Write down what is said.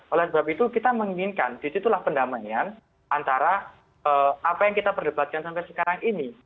oleh sebab itu kita menginginkan disitulah pendamaian antara apa yang kita perdebatkan sampai sekarang ini